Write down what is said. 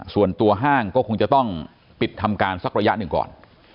ส่วนตัวห้างก็คงจะต้องปิดทำการสักระยะหนึ่งก่อน